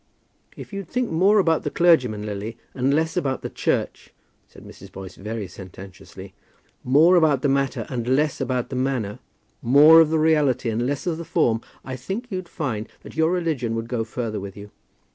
"If you'd think more about the clergyman, Lily, and less about the church," said Mrs. Boyce very sententiously, "more about the matter and less about the manner, more of the reality and less of the form, I think you'd find that your religion would go further with you.